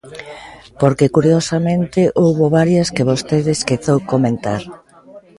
Porque, curiosamente, houbo varias que vostede esqueceu comentar.